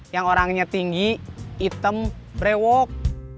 yang orangnya tinggi hitam brewok